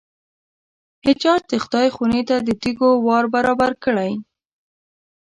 حجاج د خدای خونې ته د تېږو وار برابر کړی.